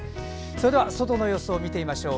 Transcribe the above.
それでは外の様子を見てみましょう。